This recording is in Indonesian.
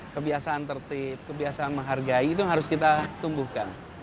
kebiasaan tertib kebiasaan menghargai itu harus kita tumbuhkan